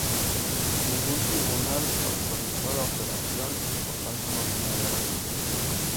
Ningún tribunal autorizó la operación y por tanto no tenía garantías.